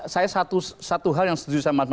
saya satu hal yang setuju sama mas